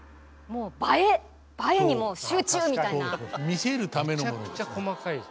見せるためのものです。